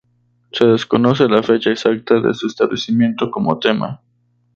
Se desconoce la fecha exacta de su establecimiento como tema.